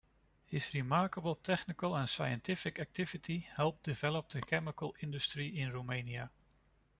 His remarkable technical and scientific activity helped develop the chemical industry in Romania.